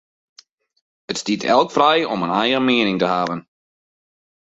It stiet elk frij om in eigen miening te hawwen.